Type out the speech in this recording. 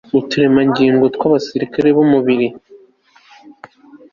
uturemangingo tw abasirikari b umubiri